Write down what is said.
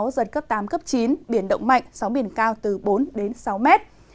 giật cấp tám cấp chín biển động mạnh sóng biển cao từ bốn đến sáu mét